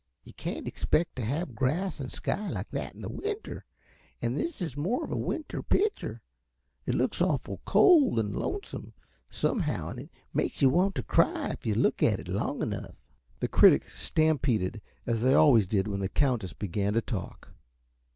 But yuh can't expect t' have grass an' sky like that in the winter, an' this is more of a winter pitcher. It looks awful cold an' lonesome, somehow, an' it makes yuh want t' cry, if yuh look at it long enough." The critics stampeded, as they always did when the Countess began to talk.